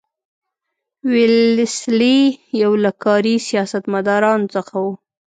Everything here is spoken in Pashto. ویلسلي یو له کاري سیاستمدارانو څخه وو.